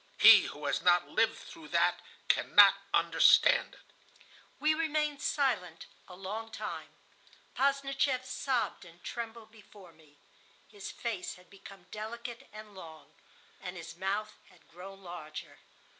He who has not lived through that cannot understand it." We remained silent a long time. Posdnicheff sobbed and trembled before me. His face had become delicate and long, and his mouth had grown larger.